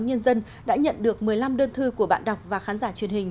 nhân dân đã nhận được một mươi năm đơn thư của bạn đọc và khán giả truyền hình